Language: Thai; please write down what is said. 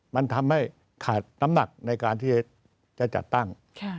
มันทำให้ขาดน้ำหนักในการที่จะจัดตั้ง